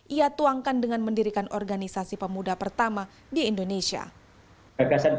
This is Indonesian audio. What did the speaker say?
ia tuangkan dengan mendirikan organisasi pemuda pertama di indonesia gagasan